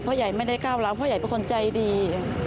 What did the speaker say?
ใหญ่ไม่ได้ก้าวร้าวพ่อใหญ่เป็นคนใจดี